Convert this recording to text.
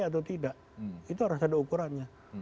atau tidak itu harus ada ukurannya